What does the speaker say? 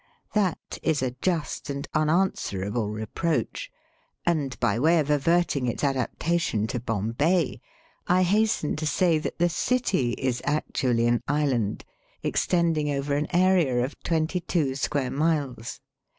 That is a just and unanswerable reproach, and, by way of averting its adaptation to Bombay, I hasten to say that the city is actually an island, extending over an area of twenty two square miles.